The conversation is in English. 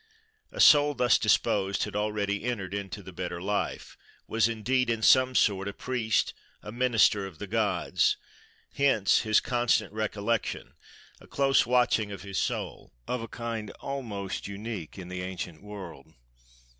A soul thus disposed had "already entered into the better life":—was indeed in some sort "a priest, a minister of the gods." Hence his constant "recollection"; a close watching of his soul, of a kind almost unique in the ancient world.